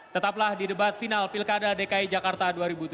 tetaplah di debat final pilkada dki jakarta dua ribu tujuh belas